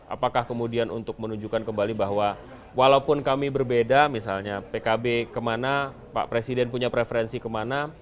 apakah kemudian untuk menunjukkan kembali bahwa walaupun kami berbeda misalnya pkb kemana pak presiden punya preferensi kemana